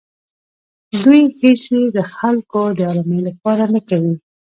دوی هېڅې د خلکو د ارامۍ لپاره نه کوي.